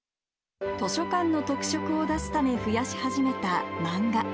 図書館の特色を出すため増やし始めた漫画。